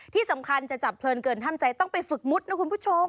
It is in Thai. ที่สำคัญจะจับเพลินเกินห้ามใจต้องไปฝึกมุดนะคุณผู้ชม